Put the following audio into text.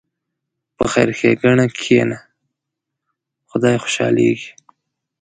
په خیر ښېګڼه کښېنه، خدای خوشحالېږي.